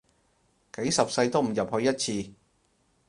幾十世都唔入去一次